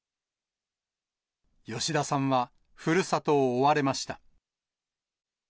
吉田さんは、ふるさとを追われました。